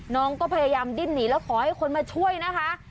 น้องก็พยายามดิ้นหนีแล้วขอให้คนมาช่วยนะคะ